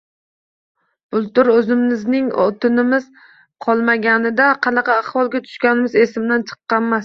Bultur o‘zimizning o‘tinimiz qolmaganida qanaqa ahvolga tushganimiz esimdan chiqqanmas.